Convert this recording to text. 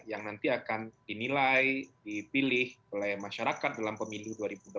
yang nanti akan dinilai dipilih oleh masyarakat dalam pemilu dua ribu dua puluh